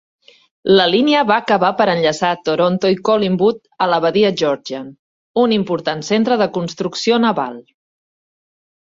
La línia va acabar per enllaçar Toronto i Collingwood a la badia Georgian, un important centre de construcció naval.